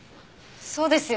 そうですよね。